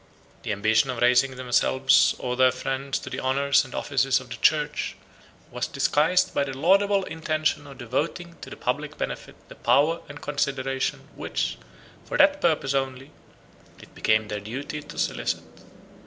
The ambition of raising themselves or their friends to the honors and offices of the church, was disguised by the laudable intention of devoting to the public benefit the power and consideration, which, for that purpose only, it became their duty to solicit.